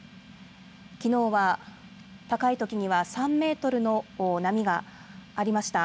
きのうは高いときには３メートルの波がありました。